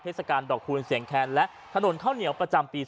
เทศกาลดอกคูณเสียงแคนและถนนข้าวเหนียวประจำปี๒๕